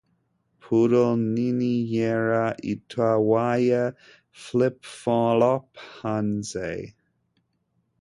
Poodle nini yera itwaye flip-flop hanze